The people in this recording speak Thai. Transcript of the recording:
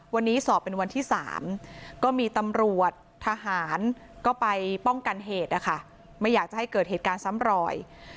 วันนี้สอบเป็นวันที่๓ก็มีตำรวจทหารก็ไปป้องกันเหตุนะคะไม่อยากจะให้เกิดเหตุการณ์ซ้ำรอย